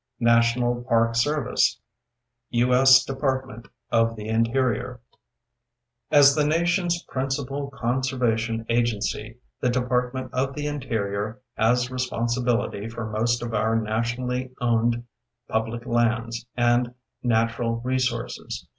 National Park Service U.S. Department of the Interior As the Nation's principal conservation agency, the Department of the Interior has responsibility for most of our nationally owned public lands and natural resources.